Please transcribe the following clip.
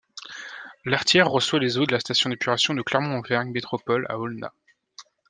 L'Artière reçoit les eaux de la station d'épuration de Clermont Auvergne Métropole à Aulnat.